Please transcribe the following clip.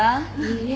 いいえ。